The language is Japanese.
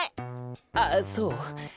ああそう？